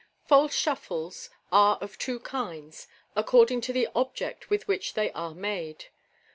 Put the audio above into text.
— False shuffles are of two kinds, according to the object with which they are made.